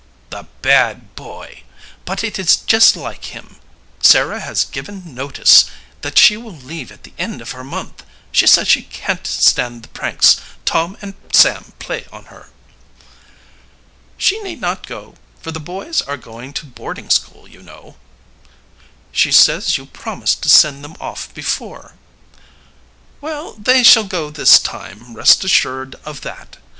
"The bad boy! But it is just like him. Sarah has given notice that she will leave at the end of her month. She says she can't stand the pranks Tom and Sam play on her." "She need not go for the boys are going to boarding school, you know." "She says you promised to send them off before." "Well, they shall go this time, rest assured of that.